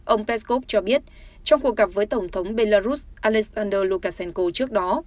ông peskov cho biết trong cuộc gặp với tổng thống belarus alexander lukashenko trước đó